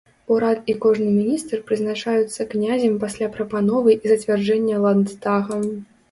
Урад і кожны міністр прызначаюцца князем пасля прапановы і зацвярджэння ландтагам.